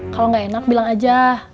kalau nggak enak bilang aja